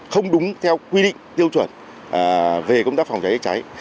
không đúng theo quy định tiêu chuẩn về công tác phòng cháy cháy